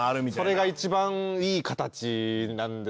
それが一番いい形なんですけどね。